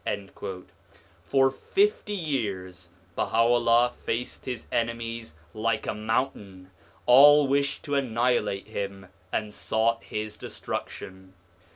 l For fifty years Baha'u'llah faced his enemies like a mountain : all wished to annihilate him and sought his destruction.